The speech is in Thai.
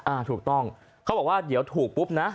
อ่าถูกต้องเขาบอกว่าเดี๋ยวถูกปุ๊บนะ